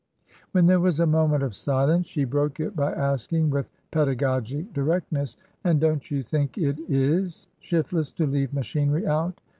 When there was a moment of silence, she broke it by asking, with pedagogic directness :'' And don't you think it is shiftless to leave machinery out?"